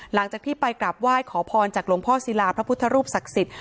หลังจากที่ไปกราบไหว้ขอพรจากหลวงพ่อศิลาพระพุทธรูปศักดิ์สิทธิ